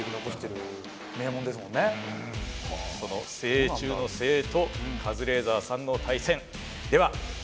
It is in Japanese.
その精鋭中の精鋭とカズレーザーさんの対戦。